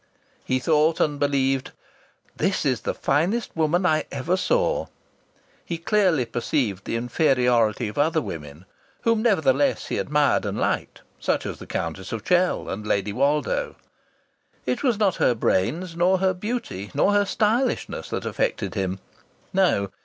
He thought and believed: "This is the finest woman I ever saw!" He clearly perceived the inferiority of other women, whom, nevertheless, he admired and liked, such as the Countess of Chell and Lady Woldo. It was not her brains, nor her beauty, nor her stylishness that affected him. No!